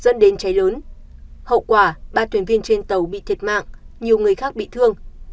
dẫn đến cháy lớn hậu quả ba tuyển viên trên tàu bị thiệt mạng nhiều người khác bị thương